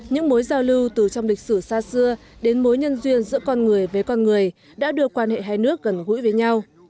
những mối giao lưu từ trong lịch sử xa xưa đến mối nhân duyên giữa con người với con người đã đưa quan hệ hai nước gần gũi với nhau